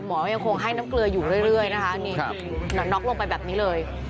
หมอยังคงให้น้ำเกลืออยู่เรื่อยนะคะนี่น็อกลงไปแบบนี้เลย